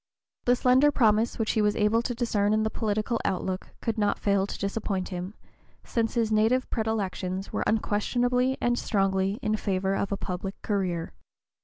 The slender promise which he was able to discern in the political outlook could not fail to disappoint him, since his native predilections were unquestionably and strongly in favor of a public career.